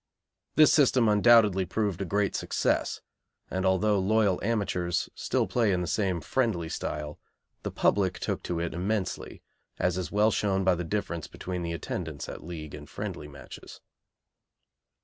This system undoubtedly proved a great success, and although loyal amateurs still play in the same friendly style the public took to it immensely, as is well shown by the difference between the attendance at league and friendly matches.